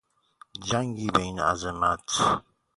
جنگی به این عظمت